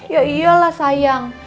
ya iyalah sayang